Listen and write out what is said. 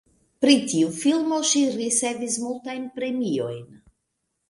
Pri tiu filmo ŝi ricevis multajn premiojn.